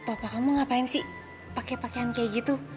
apa kamu ngapain sih pake pakaian kayak gitu